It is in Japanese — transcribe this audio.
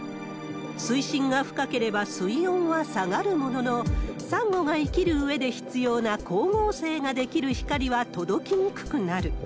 水深が深ければ水温は下がるものの、サンゴが生きるうえで必要な光合成ができる光は届きにくくなる。